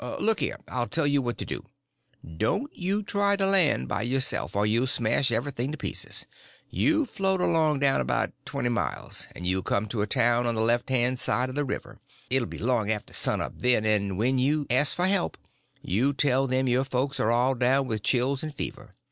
Look here, I'll tell you what to do. Don't you try to land by yourself, or you'll smash everything to pieces. You float along down about twenty miles, and you'll come to a town on the left hand side of the river. It will be long after sun up then, and when you ask for help you tell them your folks are all down with chills and fever.